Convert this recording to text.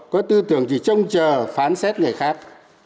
có tư tưởng thì trông chờ phán xét người khác